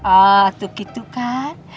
ah tuh gitu kan